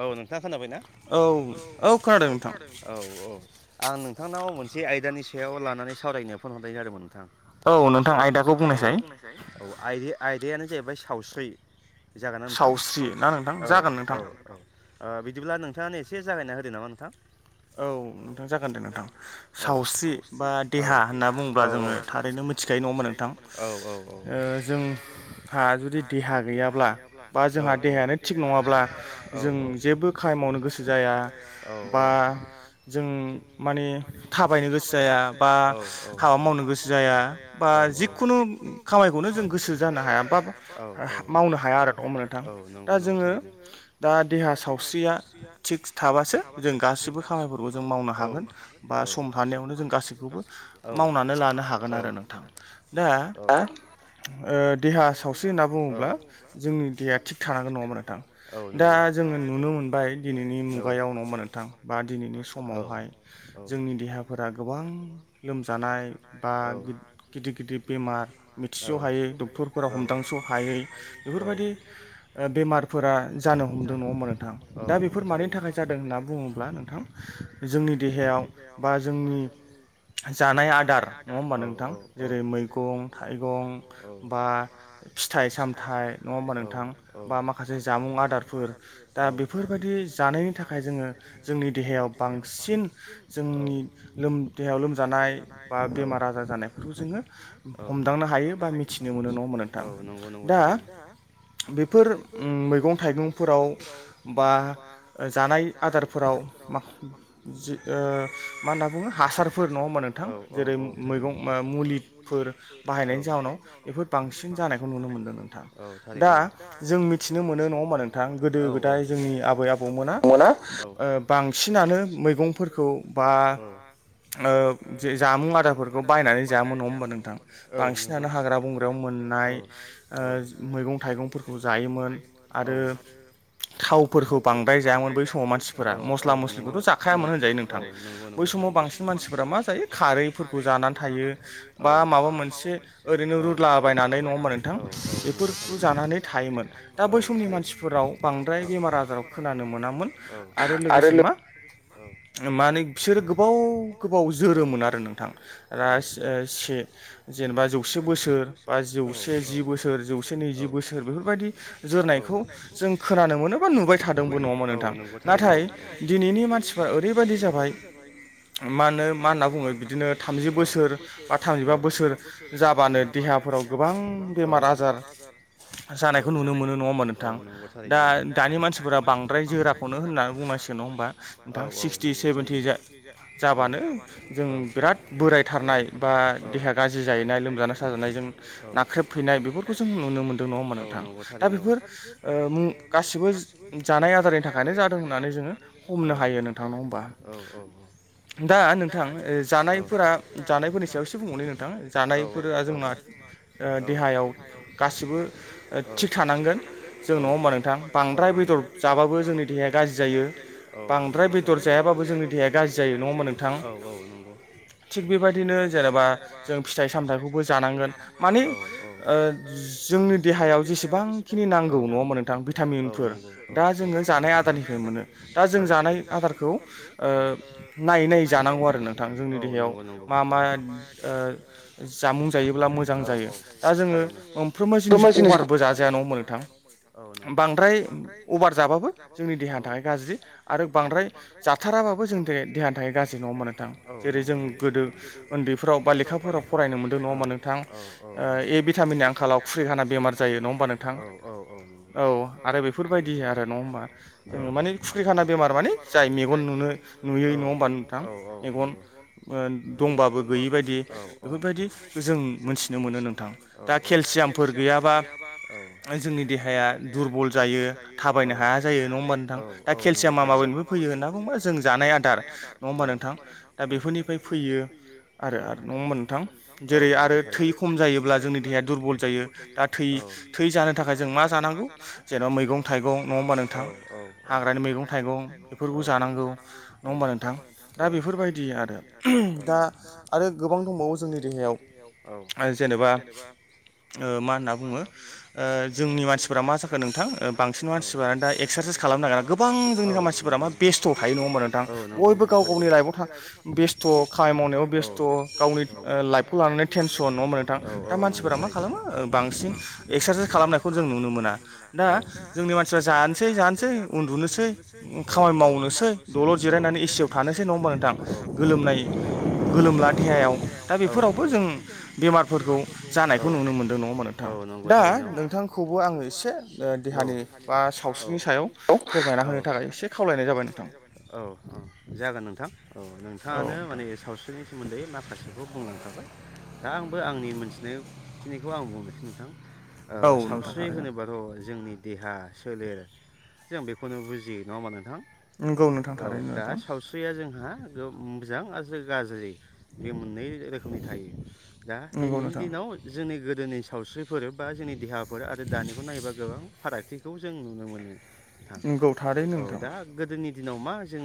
औ नोंथाङा खोनाबायना औ औ खोनादों औ औ। आं नोंथांनाव मोनसे आयदानि सायाव लानानै सावरायनो फन हरनाय जादोंमोन नोंथां। औ नोंथां औ आयदायानो जाहैबाय सावस्रि। सावस्रि ना नोंथां जागोन नोंथां? औ बिदिब्ला नोंथाङानो एसे जागायना होदो नामा नोंथां। औ नोंथां जागोन दे नोंथां सावस्रि बा देहा होनना बुङोब्ला जोङो थारैनो मिथिखायो नङा होमा नोंथां ओ जों हा जुदि देहा गैयाब्ला बा जोंहा देहायानो थिग नङाब्ला औ औ जों औ औ जों माने थाबायनो गोसो जाया बा हाबा मावनो गोसो जाया बा जिखुनु खामानिखौनो जों गोसो जानो हायाबा औ औ मावनो हाया आरो औ नंगौ नंगौ थारैनो। दा देहा सावस्रिया थिग थाबासो जों गासिबो फोरफोरखौ जों मावनो हागोन बा सम थानायावनो जों गासैखौबो मावनानै लानो हागोन आरो नोंथां। दा ओ देहा सावस्रि होनना बुङोब्ला जोंनि देहाया थिग थानांगोन नङामोन नोंथां। दा जोङो नुनो मोनबाय दिनैनि मुगायाव नङा होमबा नोंथां बा दिनैनि समावहाय जोंनि देहाफोरा गोबां लोमजानाय बा गिदिर गिदिर बेमार मिथिस' हायै डक्टरफोरा हमदांस' हायै बेफोरबायदि बेमारफोरा जानो हमदों नङा होमबा नोंथां दा बेफोर मानि थाखाय जादों होनना बुङोब्ला नोंथां जोंनि देहायाव देहायाव बा जोंनि जानाय आदार नङा होमबा नोंथां जेरै मैगं थाइगं बा फिथा सामथाइ नङा होनबा नोंथा बा माखासे जा जामुं आदारफोर दा बेफोरबायदि जानायनि थाखाय जोङो जोंनि देहायाव बांसिन जोंनि लोम देहायाव लोमजानाय बा बेमार आजार जानायफोरखौ जोङो हमदांनो हायो बा मिथिनो मोनो नङा होनबा नोंथां दा बेफोर उम मैगं थाइगंफोराव बा जानाय आदारफोराव मा? ओ मा होनना बुङो हासारफोर नङा होमबा नोंथां जेरै मैगं मुलिफोर बाहायनायनि जााहोनाव बेफोर बांसिन जानायखौ नुनो मोनदों नोंथां दा जों मिथिनो मोन नो नङा होमबा नोंथां गोदो गोदाय जोंनि आबै आबौमोना ओ बांसिनानो मैंगं औ ओ जामुं आदारफोरखौ बायनानै जायामोन नङा होमबा नोंथां औ नोंगौ औ औ आरो थावफोरखौ बांद्राय जायामोन बै समाव मानसिफोरा मस्ला मस्लिखौथ' जाखायामोन होनजायो नोंथां बै समाव बांसिन मानसिफोरा मा जायो खारैफोरखौ जानानै थायो बा माबा मोन ओैनो रुला बनानै नंआ होन्ना नोंथां बेफोर ख'जानानै थायोमोन दा बै सम फनि मानसिफोराव बांद्राय बेमार आजाराव खोनानो मोनामोन आरो लोगोसे मा औ माने बिसोरो गोबाव गोबाव जोरोमोन आरो नोंथां राज से जेनेबा जौसे बोसोर बा जौसे जि बोसोर जौसे नैजि बोसोर बेफोरबायदि ज दोरनायखौ जों खोनानो मोनो बा नुबाय थादोंबो नङामोन नोंथां? नाथाय दिनैनि मानसिफ्रा मानसिफ्रा ओरैबायदि जाबाय मा होन मा होनना बुङो बिदिनो थामजि बोसोर बा थामजिबा बोसोर बोसोर जाबानो देहाफोराव गोबां बेमार आजार जानाय मोनो नङा हबा नोंथां दा दानि मानसिफोरा बांद्राय जोराखौनो होननानै बुंनांसिगोन नङा ह होनबा नोंथा? सिक्सटि सेभेेनटि जा जाबानो जों बिराद बोरायथारनाय बा देहा गाज्रि जि जाहैनाय लोमजानाय साजानायजों नाख्रेबफैनाय बेफोरखौ जों नुनो मोन्दों नङा होमबा नोंथां? दा बेफोर ओ उम गासिबो जानाय आदारनि थाखायनो जादों होननानै जोङो हमनो हा बुंनो हायो नोंथां औ औ औ दा नोंथां जानायफोरा जानायफोरनि सायाव एसे बुंहरनो नोंथां जानायफोरा जोंना देहायाव गासिबो थिग थ थिग थानांगोन जों नङा होमबा नोंथाङा बांद्राय बेदर जाबाबो जोंनि देहाया गाज्रि जायो बांद्राय बेदर जायाबो जोंनि देहाआ गाज्रि जायो नङा होनबा नोंथां औ औ नंगौ थिग बेबादिनो जेनोबा जों फिथाइ सामथाइखौबो जानांगोन मानि ओ जोंनि देहायाव जेसेबां गोबांखिनि नांगौ नङा होनबा‌ नोंथां भिटामिनफोर दा जोङो जानाय आदारनिफ्राय मोनो दा जों जानाय आदारखौ ओ नायै नायै जानांगौ आरो नोंथां जोंनि देहायाव मा मा जामुं जायोब्ला मोजां जायो दा जोङो मोनफ्रोमबो जिनिसखौ अभारबो जाजा औ अभारबो जाजाया नंआ होमबा नोंथां बांद्राय अभार जाबाबो जोंनि देहानि थाखाय गाज्रि बांद्राय जाथाराबाबो जोंनि थाखाय देहानि थाखाय गाज्रि नंआ होमबा नोंथां जेरै जों गोदो उन्दै फोराव बा लेखाफोराव फरायनो मोनदों नङा होमबा नोंथां ए भिटामिननि आंखालाव खुंख्रि खाना बेमार जायो नङा होमबा नोंथां गोथां औ आरो बेफोरबादि आरो नङा होमबा जोङो मानि खुख्रिखाना बेमार मानि जाय मेग' [inaudible] न नुनो औ औ औ औ ओमफ्राय जोंनि देहाया दुरबल जायो थाबायनो हाया जायो नङा होमबा नोंथां दा केलसियामा माबा होमबा माबानिफाय फैयो नोंथां जों जानाय आदार नङा होमबा नोंथां दा बेफोरनिफ्राय फैयो आरो नङा होमबा नोंथां जेरै आरो थै खम जायोब्ला जोंनि देहाया दुरबल जायो दा थै-थै बे जानो थाखाय जों मा जानांगौ जेन'बा मैगं थाइगं नङा होमबा नोंथां हाग्रानि मैगं थाइगं बेफोरखौ जानांगौ नङा होमबा नोंथां दा बेफोरबायदि आरो दा आरो गोबां दंबावो जोंनि जायगायाव जेनेबा ओ मा होनना बुङो ओ जोंनि मानसिफोरा मा जाखो नोंथां बांसिन मानसिफोरानो दा एक्सारसाइस खालामनो नागिरा गोबां जोंनि मानसि फोरा मा बेस्थ' थायो नङा होनोमबा नोंथां बयबो गाव गावनि लाइफआव थ बेस्थ' खामानि मावनायाव बेस्थ' थ'' गावनि ओ लाइफखौ लानानै टेनसन नङा मोननो थां दा मानसिफोरा मा खालामो बांसिन एक्सारसाइस एक्सारसाइस खालामनायखौ जों नुनो मोना दा जोंनि मानसिफ्रा जानोसै जानोसै उन्दुनोसै समाय मावनोसै न'आव जिरायनानै ए सि आव थानोसै [unintelligible] औ नंगौ औ औ नंगौ थारैनो औ औ औ औ औ जागोन नोंथां औ नोंथाङानो माने सावस बेनि सोमोन्दै माखासेखौ बुंलांखाबाय दा आंबो आंनि मोनथिनायखिनिखौ आं बुंनोसै नोंथां सावस्रि होनोबाथ' जोंनि देहा सोलेर जों बेखौनो बुजियो नङा होमा नोंथां? औ दा सावस्रिया जोंहा मोजां आरो गाज्रि बे मोननै रोखोमनि थायो। दा दिनैनि दिनाव जोंनि गोदोनि सावस्रिफोर बा जोंनि देहा फोर आरो दानिखौ नायोबा गोबां फारागथिखौ जों नुनो मोनो दा गोदोनि दिनाव मा जों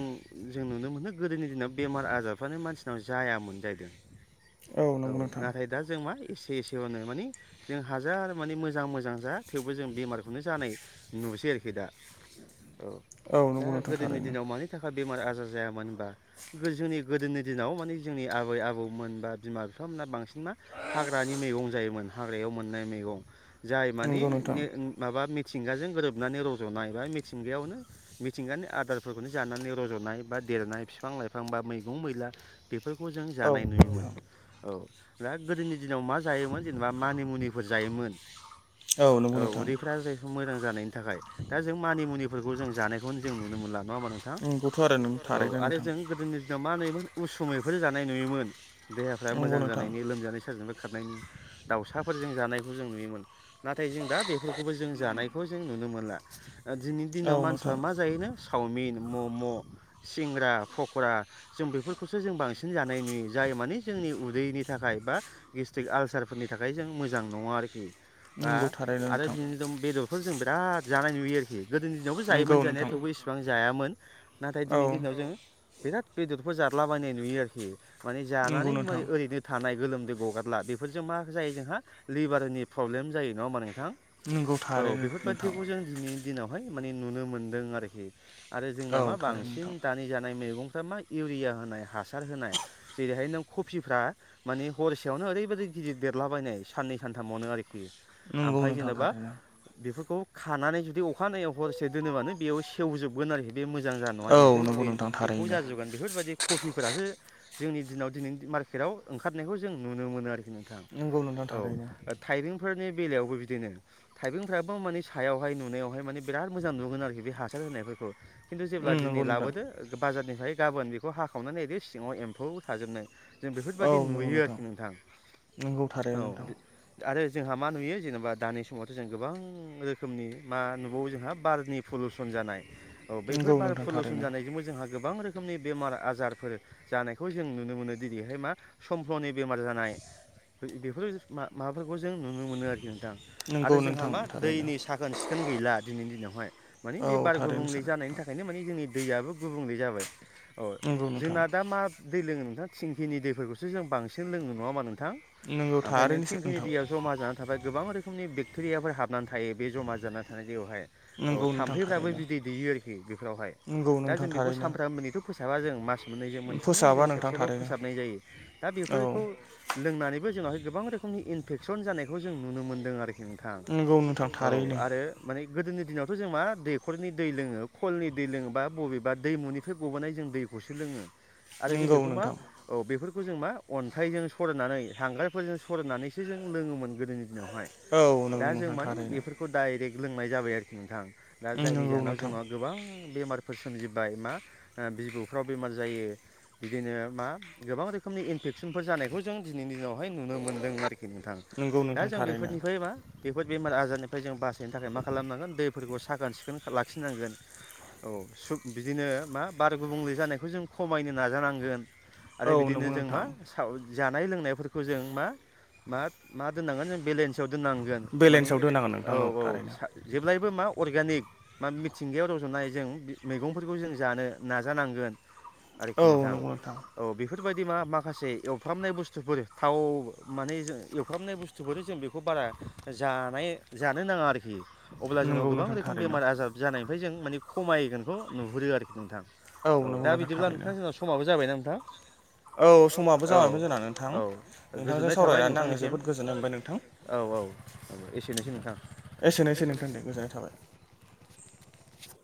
जों नुनो मोनो गोदोनि दिनाव बेमार आजारफ्रानो मानसिनाव जायामोन जाहैदों। औ नाथाय दा जों मा एसे एसेयावनो माने जों हाजार माने मोजां मोजां जा थेवबो जों बेमारखौनो जानाय नुसै आरोखि दा। [inaudible] औ दा गोदोनि दिनाव मानि थाखाय बेमार जायामोन होनबा जोंनि गोदोनि दिनाव माने जोंनि आबै आबौमोन बा बिमा बिफाना बांसिन मा हाग्रानि मैगं जायोमोन। हाग्रायाव मोननाय मैगं जाय माने ने माबा मिथिंगाजों गोरोबनानै रज'नाय बा मिथिंगायावनो मिथिंगानि आदारफोरखौनो जानानै रज'नाय बा देरनाय बिफां लाइफां बा मैगं मैला बेफोरखौ जों जानाय नुयोमोन औ दा गोदोनि दिनाव मा जायोमोन जेनेबा मानि मुनिफोर जायोमोन औ उदैफ्रा जायखौ मोजां जानायनि थाखाय दा जों मानि मुनिफोरखौ जों जानायखौनो जों नुनो मोनला। नङा होमा नोंथां औ आरो जों गोदोनि दिनाव मा नुयोमोन उसुमैफोर जानाय नुयोमोन देहाफ्रा मोजां जानायनि लोमजानाय सजानायफ्रा खारनायनि। दाउसाफोरजों जानायखौ जों नुयोमोन नाथाय जों दा बेफोरखौबो जों जानायखौ जों नुनो मोनला। दिनैनि दिनाव मानसिफ्रा मा जायोनो सावमिन मम' सिंग्रा फक'रा जों बेफोरखौसो जों बांसिन जानाय नुयो। जाय माने जोंनि उदैनि थाखाय बा गेसटिक आलसारफोरनि थाखाय जों मोजां नङा आरोखि बा आरो दिनैनि [unintelligible] बेदर बेफोर जों बिराद जानाय नुयो आरोखि गोदोनि दिनावबो जायोमोन जानाया थेवबो इसिबां जायामोन। नाथाय दिनै दिनाव जों बिराद बेदरफोर जारलाबायनाय नुयो आरोखि। माने जानानै मोरै ओरैनो थानाय गोलोमदै गगारला बेफोर जों मा जायो जोंहा लिभारनि प्रब्लेम जायो नङा होमबा नों नोंथां औ बेफोरबादिखौ जों दिनै दिनावहाय माने नुनो मोनदों आरोखि आरो जोंना मा बांसिन दानि जा नाय मैगंफ्रा मा इउरिया होनाय हासार होनाय जेरैहाय नों खफिफ्रा माने हरसेयावनो ओरैबायदि गिदिरे देरलाबायनाय साननै सानथामावनो आरोखि आमफाय जेनबा बेफोरखौ खानानै जुदि अखानायै हरसे दोनोबानो बेयाव सेवजोबगोन आरोखि। बे मोजां जानाय नङा एम्फौ थ्रि एम्फौ जाजोबगोन बेफोरबादि कफिफोरासो जोंनि दिनाव दिनै मार्केटाव ओंखारनायखौ जों नुनो मोनो आरोखि। थां औ थायबेंफोरनि बेलायावबो बिदिनो थाइबेंफ्राबो माने सायावहाय नुनायावहाय माने बिराद मोजां नुगोन आरोखि बे हासार होनायफोरखौ। खिन्थु जेब्ला दिनै लाबोदो बाजारनिफ्राय गाबोन बेखौ हाखावनानै नायदो सिङाव एम्फौ थाजोबनाय। जों बेफोरबायदि नुयो आरोखि नोंथां। नंगौ थारो नोंथां। जोंहा मा नुयो जेनेबा दानि समावथ' जों गोबां रोखोमनि मा नुबावो जोंहा बारनि पलुसन जानाय औ बेफोर बारा फलसन जानायजोंबो जोंहा गोबां रोखोमनि बेमार आजारफोर जानायखौ जों नुनो मोनो दिनैहाय मा समफ्ल'नि बेमार जानाय बेफोर माबाफोरखौ जों‌ नुनो मोनो आरो। दां आरो जोंहा मा दैनि साखोन सिखोन सिखोन गैला दिनैनि दिनावहाय मानि बे बार गुबुंले जानायनि थाखायनो मानि जोंनि दैयाबो गुबुंले जाबाय अ जोंना दा मा दै लोङो नोंथां थिंखिनि दैफोरखौसो जों बांसिन लोङो नङा होमबा नोंथां? ओमफ्राय नों थिंखिनि दैया जमा जानानै थाबाय गोबां रोखोमनि बेक्टेरियाफोर हाबनानै थायो बे जमा जानानै थानाय दैयावहाय औ थाम्फैफ्राबो बिदै दैयो आरोखि बेफोरावहाय दा जों बेखौ सामफ्रामबोनैथ' फोसाबा जों मास मोननै जों मोनथामजों जों खेबसेल' फोसाबनाय जायो दा बेफोरखौ लोंनानैबो जों जोंनावहाय गोबां रोखोमनि इनफेकसन जानायखौ जों नुनो मोनदों आरोखि नोंथां औ आरो माने गोदोनि दिनावथ' जों मा दैखरनि दै लोङो खलनि दै लोङोबा बबेबा दैमुनिफ्राय गबोनाय जों दै खौसो लोङो आरो जों बेखौ मा औ बेफोरखौ जों मा अन्थाइजों सरनानै थांग्रायफोरजों सरनानैसो जों लोङोमोन गोदोनि दिनावहाय दा जों मानि बेफोरखौ डाइरेक्ट लोंनाय जाबाय आरोखि नोंथां दा जायनि जाहोनाव जोंनाव गोबां बेमार फोर सोमजिबाय मा बिबुफ्राव बेमार जायो बिदिनो मा गोबां रोखोमनि इनपेकसनफोर जानायखौ जों दिनैनि दिनावहाय नुनो मोन्दों आरोखि नोंथाङा दा जों बेफोरनिफ्राय मा बेफोर बेमार आजारनिफ्राय जों बासायनो थाखाय मा खालामनांगोन दैफोरखौ साखोन सिखोन लाखिनांगोन औ सुग बिदिनो मा बार गुबुंले जानायखौ जों खमायनो नाजानांगोन आरो बिदिनो जों मा साव जानाय लोंनायफोरखौ जों मा मा दोननांगोन जों बेलेन्सआव दोननांगोन माने औ औ जेब्लायबो मा अर्गेनिक बा मिथिंगायाव रज'नाय जों मैगंफोरखौ जों जानो नाजानांगोन आरोखि नोंथां औ बेफोरबायदि मा माखासे एवफ्रामनाय बुस्थु बुस्थुफोर थाव माने जों एवफ्रामनाय बुस्थुफोर जों बेखौ बारा जानाय जानो नाङा नाङा आरोखि अब्ला जोंनाव गोबां रोखोम बेमार आजार जानायनिफ्राय जों माने खमायगोनखौ नुहुरो आरोखि नोंथां औ दा बिदिब्ला नोंथां जोंनाव समाबो जाबाय ना औ समाबो जाबायमोन जोंना नोंथां नोंथांजों सावरायनानै आङो जोबोद गोजोननाय मोनबाय नोंथां औ औ औ एसेनोसै नोंथां एसेनोसै नोंथां दे गोजोननाय थाबाय